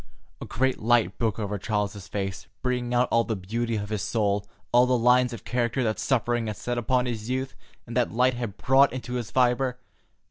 A great light broke over Charles's face, bringing out all the beauty of his soul, all the lines of character that suffering had set upon his youth, and that love had wrought into his fibre.